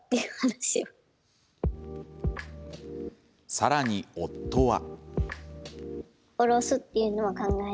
さらに、夫は。